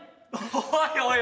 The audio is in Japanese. おいおい